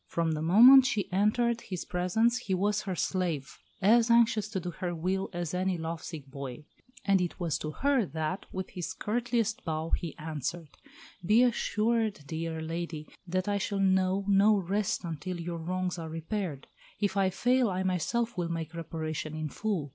From the moment she entered his presence he was her slave, as anxious to do her will as any lovesick boy. And it was to her that, with his courtliest bow, he answered, "Be assured, dear lady, that I shall know no rest until your wrongs are repaired. If I fail, I myself will make reparation in full.